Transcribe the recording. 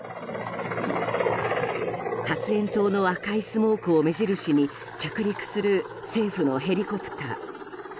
発煙筒の赤いスモークを目印に着陸する政府のヘリコプター。